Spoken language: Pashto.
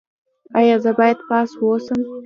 ایا زه باید پاس اوسم؟